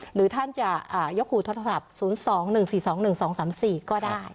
หรือท่านจะยกหูโทรศัพท์๐๒๑๔๒๑๒๓๔ก็ได้